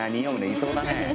いそうだね。